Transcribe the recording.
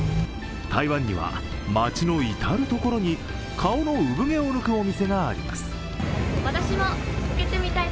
台湾には街の至るところに顔の産毛を抜くお店があります。